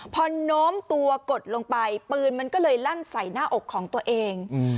พอโน้มตัวกดลงไปปืนมันก็เลยลั่นใส่หน้าอกของตัวเอง